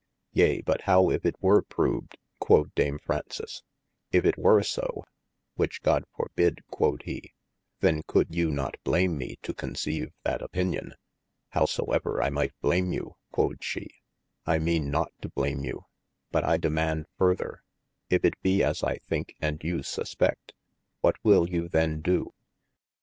Yea but how if it were proved quod Dame Fr ounces ? If it were so (which God forbid quod he) then coulde you not blame me to conceive that opinion. Howsoever I might blame you (quod she) I meane not to blame you, but I demaund further, if it be as I thinke & you suspedT:, what will you then do